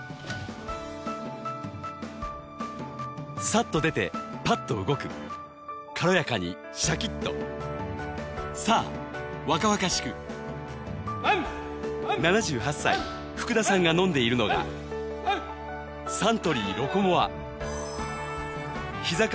さっと出てパッと動く軽やかにシャキッと７８歳福田さんが飲んでいるのがサントリー「ロコモア」ひざ